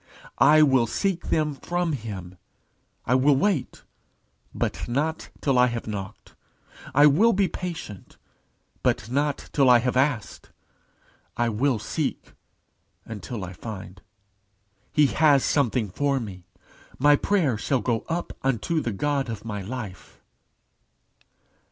I will seek them from him. I will wait, but not till I have knocked. I will be patient, but not till I have asked. I will seek until I find. He has something for me. My prayer shall go up unto the God of my life."